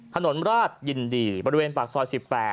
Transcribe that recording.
ถนนราชยินดีบริเวณปากซอย๑๘